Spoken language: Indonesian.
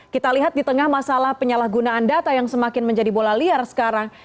kita lihat di tengah masalah penyalahgunaan data yang semakin menjadi bola liar sekarang